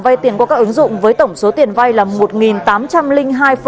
vai tiền qua các ứng dụng với tổng số tiền vai là một tám trăm linh hai một tỷ đồng